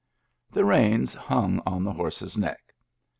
The reins hung on the horse's neck.